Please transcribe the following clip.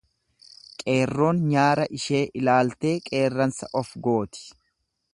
Qeerroon nyaara ishee ilaaltee qeerransa of gooti.